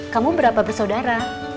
kamu berapa bersaudara